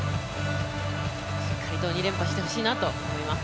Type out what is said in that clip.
しっかりと２連覇してほしいなと思います。